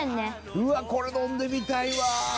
「うわっこれ飲んでみたいわ！」